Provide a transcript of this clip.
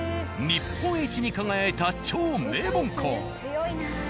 日本一に輝いた超名門校。